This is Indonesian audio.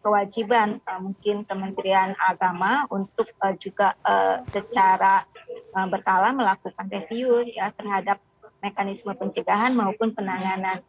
kewajiban mungkin kementerian agama untuk juga secara berkala melakukan review ya terhadap mekanisme pencegahan maupun penanganan